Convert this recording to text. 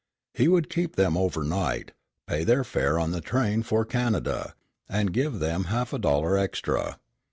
He would keep them over night, pay their fare on the train for Canada, and give them half a dollar extra.